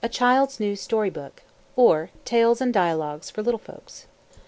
CHILD'S NEW STORY BOOK; OR TALES AND DIALOGUES FOR LITTLE FOLKS.